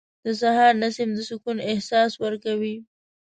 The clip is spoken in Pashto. • د سهار نسیم د سکون احساس ورکوي.